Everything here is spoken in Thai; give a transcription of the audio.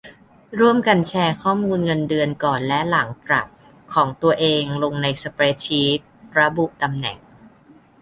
ร่วมกันแชร์ข้อมูลเงินเดือนก่อนและหลังปรับของตัวเองลงในสเปรดชีต ระบุตำแหน่ง